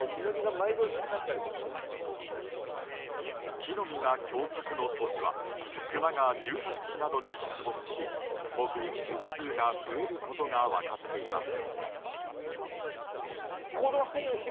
木の実が凶作の年はクマが住宅地などに出没し目撃件数が増えることが分かっています。